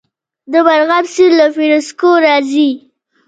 د مرغاب سیند له فیروز کوه راځي